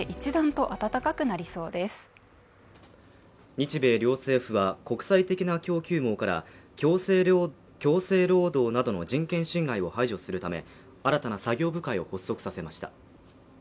日米両政府は国際的な供給網から強制労働などの人権侵害を排除するため新たな作業部会を発足させました